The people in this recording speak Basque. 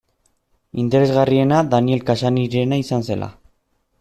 Interesgarriena Daniel Cassany-rena izan zela.